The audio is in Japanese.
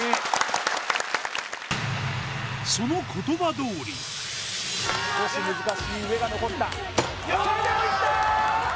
その言葉どおり少し難しい上が残ったそれでもいった！